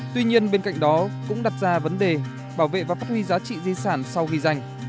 tuy nhiên bên cạnh đó cũng đặt ra vấn đề bảo vệ và phát huy giá trị di sản sau ghi danh